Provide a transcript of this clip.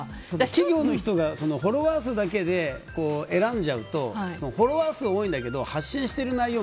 企業の人がフォロワー数だけで選んじゃうとフォロワー数は多いんだけど発信してる内容